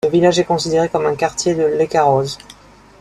Le village est considéré comme un quartier de Lekaroz.